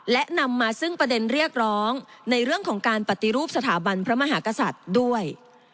และนำมาซึ่งประเด็นเรียกร้องในเรื่องของการปฏิรูปสถาบันพระมหากษัตริย์ด้วย